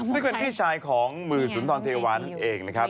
ซึ่งเป็นพี่ชายของมือสุนทรเทวันเองนะครับ